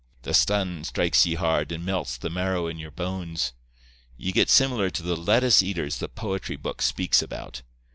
The sun strikes ye hard, and melts the marrow in your bones. Ye get similar to the lettuce eaters the poetry book speaks about.